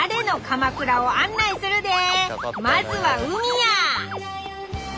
まずは海や！